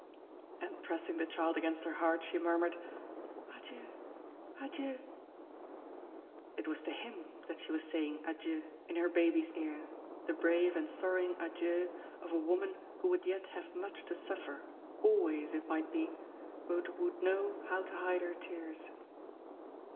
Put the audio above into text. And pressing the child against her heart, she murmured: "Adieu! adieu!" It was to him that she was saying "adieu" in her baby's ear, the brave and sorrowing "adieu" of a woman who would yet have much to suffer, always, it might be, but who would know how to hide her tears.